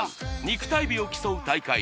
肉体美を競う大会